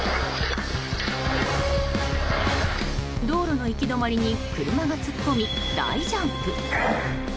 道路の行き止まりに車が突っ込み、大ジャンプ。